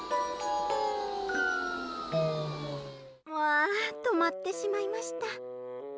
あ止まってしまいました。